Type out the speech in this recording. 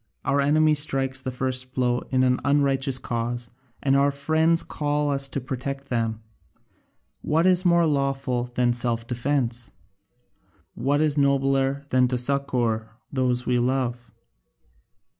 Our enemy strikes the first blow in an unrighteous cause, and our friends call us to protect them. What is more lawful than self defence? What is nobler than to succour those we love?